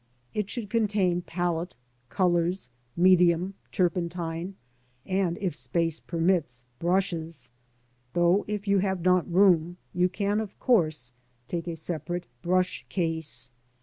It should contain palette, colours, medium, turpentine, and, if space permits, brushes ; though, if you have not room, you can, of course, take a separate brush case.